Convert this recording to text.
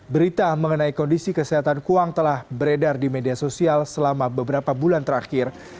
berita mengenai kondisi kesehatan kuang telah beredar di media sosial selama beberapa bulan terakhir